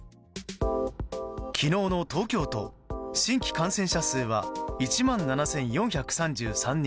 昨日の東京都新規感染者数は１万７４３３人。